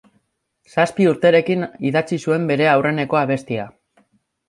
Zazpi urterekin idatzi zuen bere aurreneko abestia.